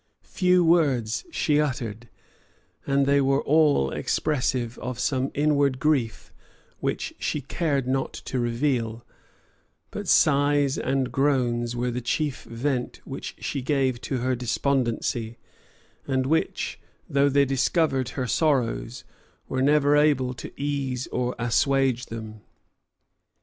Few words she uttered; and they were all expressive of some inward grief which she cared not to reveal: but sighs and groans were the chief vent which she gave to her despondency, and which, though they discovered her sorrows, were never able to ease or assuage them.